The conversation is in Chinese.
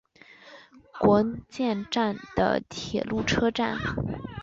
国见站的铁路车站。